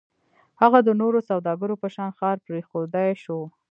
هغه د نورو سوداګرو په شان ښار پرېښودای شو.